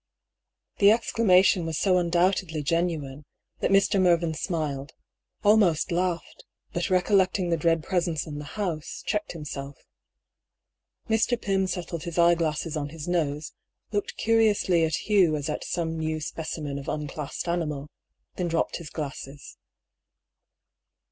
The exclamation was so undoubtedly genuine, that Mr. Mervyn smiled — ^almost laughed — ^but recollecting the dread presence in the house, checked himself. Mr. Pym settled his eyeglasses on his nose, looked curiously at Hugh as at some new specimen of unclassed animal, then dropped his glasses.